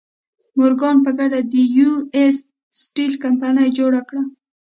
مورګان په ګډه د یو ایس سټیل کمپنۍ جوړه کړه.